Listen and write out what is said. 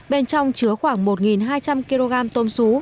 bên trong chứa khoảng một hai trăm linh kg tôm xú